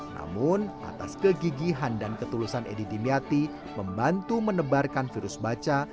namun atas kegigihan dan ketulusan edi dimyati membantu menebarkan virus baca